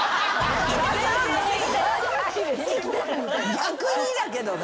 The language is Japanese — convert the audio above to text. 逆にだけどね。